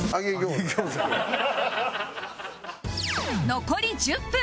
残り１０分！